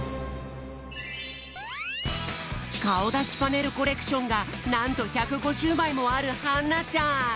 かおだしパネルコレクションがなんと１５０まいもあるはんなちゃん。